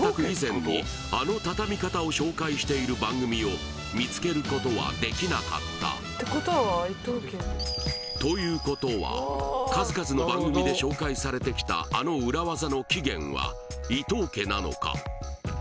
以前にあのたたみ方を紹介している番組を見つけることはできなかったということは数々の番組で紹介されてきたあの裏ワザの起源は「伊東家」なのか？